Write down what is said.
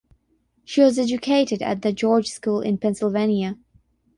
She was educated at the George School in Pennsylvania.